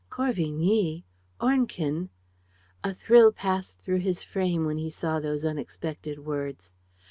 Corvigny! Ornequin! A thrill passed through his frame when he saw those unexpected words.